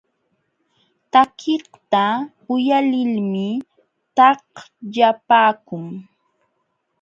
Takiqta uyalilmi taqllapaakun.